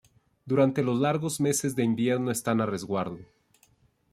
Y durante los largos meses de invierno están a resguardo.